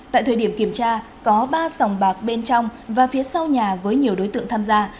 tại thời điểm kiểm tra có ba sòng bạc bên trong và phía sau nhà với nhiều đối tượng tham gia